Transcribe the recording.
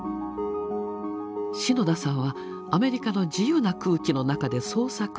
篠田さんはアメリカの自由な空気の中で創作に励み